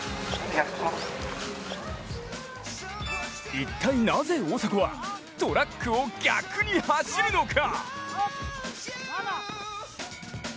一体なぜ大迫は、トラックを逆に走るのか！？